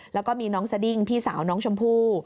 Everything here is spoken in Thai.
แล้วก็มีน้องสดิ้งพี่สาวน้องชมพู่